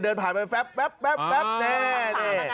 เดินผ่านไปแป๊บแป๊บแป๊บแป๊บเนี่ย